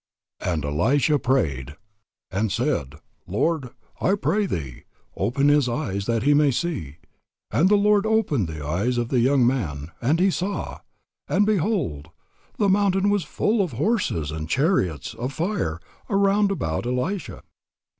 "And Elisha prayed, and said, Lord, I pray thee, open his eyes, that he may see. And the Lord opened the eyes of the young man; and he saw: and, behold, the mountain was full of horses and chariots of fire round about Elisha."